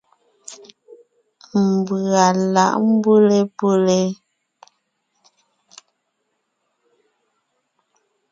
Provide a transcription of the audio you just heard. Mbʉ̀a lǎʼ mbʉ́le ?